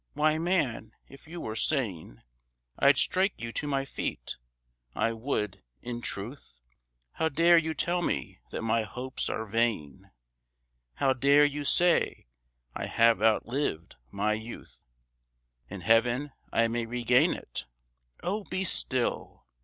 Why, man, if you were sane I'd strike you to my feet, I would, in truth. How dare you tell me that my hopes are vain? How dare you say I have outlived my youth? "'In heaven I may regain it'? Oh, be still!